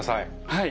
はい。